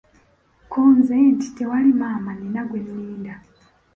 Ko nze nti, "tewali maama, nnina gwe nninda".